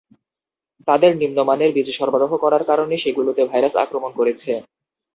তাঁদের নিম্নমানের বীজ সরবরাহ করার কারণে সেগুলোতে ভাইরাস আক্রমণ করেছে।